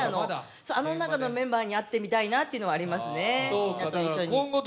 あの中のメンバーに会ってみたいなという感じがしますね。